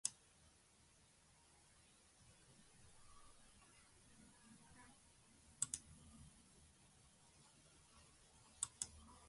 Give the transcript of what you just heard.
Myślę, że dziś wieczorem odbyliśmy naprawdę dobrą debatę